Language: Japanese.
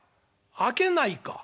「『あけないか』？